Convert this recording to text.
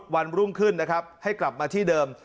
วันรุ่งขึ้นนะครับให้กลับมาที่เดิม